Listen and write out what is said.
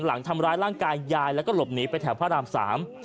หลังทำร้ายร่างกายยายแล้วก็หลบหนีไปแถวพระรามสาม